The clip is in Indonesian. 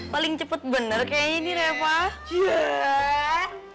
paling cepet bener kayaknya nih ya pak